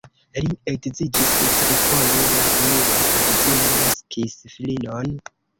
Li edziĝis trifoje, la unua edzino naskis filinon.